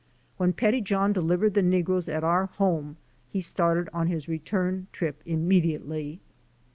When Pettyjohn delivered the negroes at our home he started on his return trip immediately.